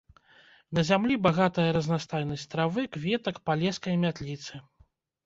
На зямлі багатая разнастайнасць травы, кветак, палескай мятліцы.